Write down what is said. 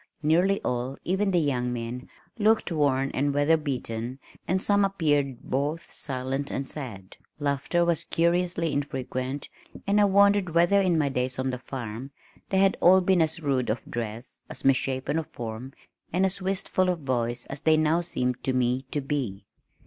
Nearly all, even the young men, looked worn and weather beaten and some appeared both silent and sad. Laughter was curiously infrequent and I wondered whether in my days on the farm they had all been as rude of dress, as misshapen of form and as wistful of voice as they now seemed to me to be.